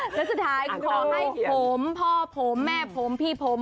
แล้วสุดท้ายขอให้ผมพ่อผมแม่ผมพี่ผม